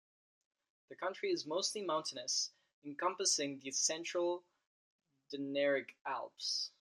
The country is mostly mountainous, encompassing the central Dinaric Alps.